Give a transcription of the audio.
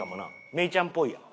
芽郁ちゃんっぽいやん。